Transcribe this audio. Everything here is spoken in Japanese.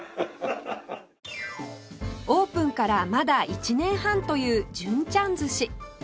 オープンからまだ１年半という淳ちゃん寿司